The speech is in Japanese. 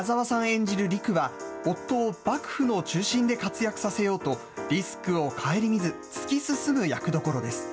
演じるりくは、夫を幕府の中心で活躍させようと、リスクを顧みず、突き進む役どころです。